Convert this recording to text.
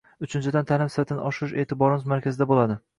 Uchinchidan, ta’lim sifatini oshirish e’tiborimiz markazida bo‘ladi.